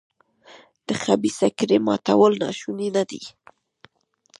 د خبیثه کړۍ ماتول ناشوني نه دي.